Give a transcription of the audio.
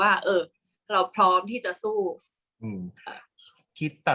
กากตัวทำอะไรบ้างอยู่ตรงนี้คนเดียว